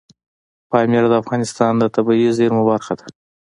پامیر د افغانستان د طبیعي زیرمو برخه ده.